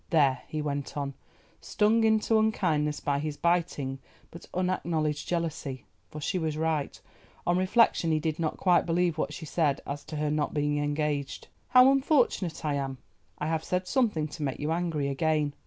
"There," he went on, stung into unkindness by his biting but unacknowledged jealousy, for she was right—on reflection he did not quite believe what she said as to her not being engaged. "How unfortunate I am—I have said something to make you angry again.